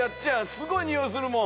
すごいにおいするもん！